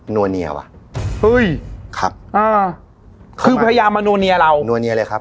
ัวเนียว่ะเฮ้ยครับอ่าคือพยายามมานัวเนียเรานัวเนียเลยครับ